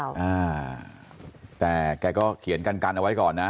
อ่าแต่แกก็เขียนกันกันเอาไว้ก่อนนะ